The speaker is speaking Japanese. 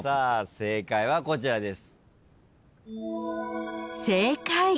正解はこちらです。